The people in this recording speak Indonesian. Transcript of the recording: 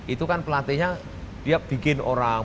itu kan pelatihnya dia bikin orang